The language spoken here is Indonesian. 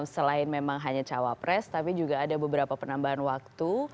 selain memang hanya cawapres tapi juga ada beberapa penambahan waktu